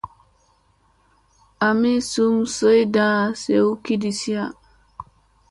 Ami zum zoyda zew kidisiya.